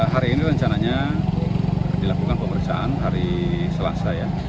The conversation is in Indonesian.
hari ini rencananya dilakukan pemeriksaan hari selasa ya